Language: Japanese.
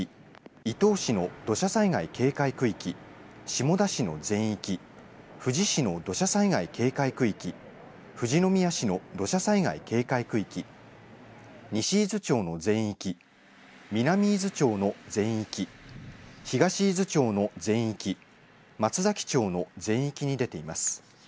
伊東市の土砂災害警戒区域、下田市の全域富士市の土砂災害警戒区域、富士宮市の土砂災害警戒区域、西伊豆町の全域、南伊豆町の全域、東伊豆町の全域、松崎町の全域に出ています。